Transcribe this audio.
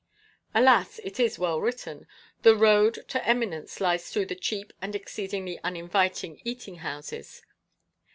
Alas! it is well written, "The road to eminence lies through the cheap and exceedingly uninviting eating houses."